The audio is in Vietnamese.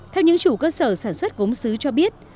theo những chủ cơ sở sản xuất gốm xứ cho biết